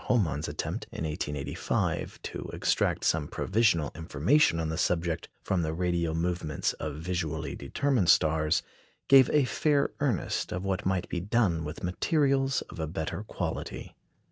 Homann's attempt, in 1885, to extract some provisional information on the subject from the radial movements of visually determined stars gave a fair earnest of what might be done with materials of a better quality.